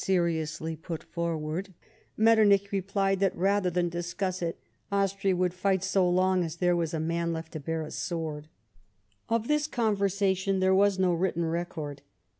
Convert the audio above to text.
seriously put forward, IMetternich replied that rather than discuss it Austria would fioht so lono as there was a man left to bear a sword. Of this conversation there was no written record.